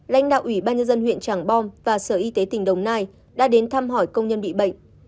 lãnh đạo ủy ban nhân dân huyện tràng bom và sở y tế tỉnh đồng nai đã đến thăm hỏi công nhân bị bệnh